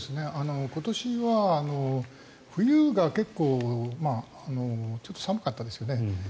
今年は冬が結構ちょっと寒かったですよね。